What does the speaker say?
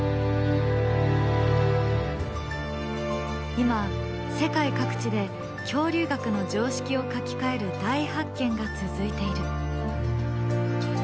今世界各地で恐竜学の常識を書き換える大発見が続いている。